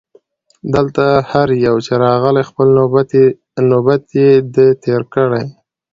دلته هر یو چي راغلی خپل نوبت یې دی تېر کړی